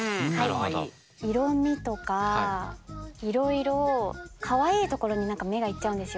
色みとかいろいろかわいいところに何か目がいっちゃうんですよ。